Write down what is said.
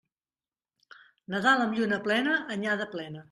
Nadal amb lluna plena, anyada plena.